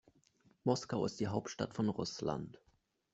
Moskau ist die Hauptstadt von Russland.